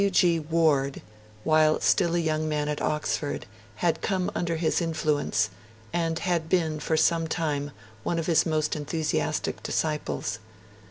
W. G. Ward, while still a young man at Oxford, had come under his influence, and had been for some time one of his most enthusiastic disciples.